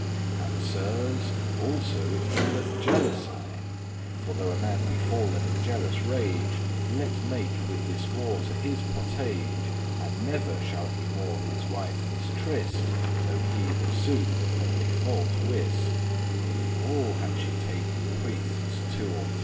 And, Sirs, also it healeth jealousy; For though a man be fall'n in jealous rage, Let make with this water his pottage, And never shall he more his wife mistrist,* *mistrust *Though he the sooth of her defaulte wist;* *though he truly All had she taken priestes two or three.